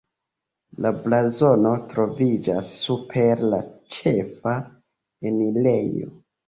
La blazono troviĝas super la ĉefa enirejo.